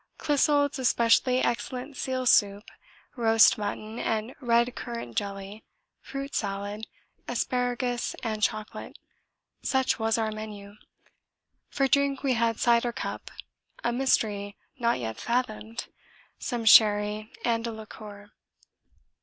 Clissold's especially excellent seal soup, roast mutton and red currant jelly, fruit salad, asparagus and chocolate such was our menu. For drink we had cider cup, a mystery not yet fathomed, some sherry and a liqueur.